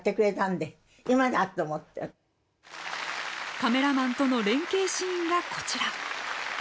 カメラマンとの連係シーンがこちら。